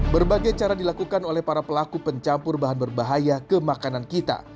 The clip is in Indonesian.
berbagai cara dilakukan oleh para pelaku pencampur bahan berbahaya ke makanan kita